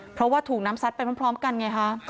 เพราะว่าถูกน้ำซัดไปพร้อมกันไงคะ